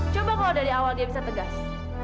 coba kalau dari awal dia bisa terpengaruh sama kamu